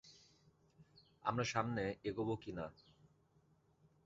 আমরা সামনে এগোবো কি না!